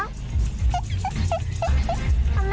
ไม่ใช่ค่ะ